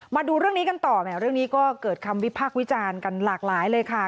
มาดูเรื่องนี้กันต่อแหมเรื่องนี้ก็เกิดคำวิพากษ์วิจารณ์กันหลากหลายเลยค่ะ